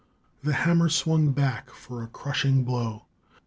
The hammer swung back for a crushing blow.